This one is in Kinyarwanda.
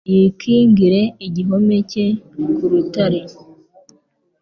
yikingire igihome cye, ku rutare;